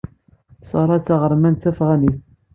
Sarah d taɣermant tafɣanit.